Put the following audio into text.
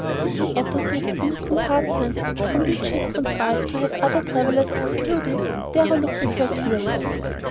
Sitting opposite, in the compartment from which he had contrived to have other travellers excluded, Darrow looked at her curiously.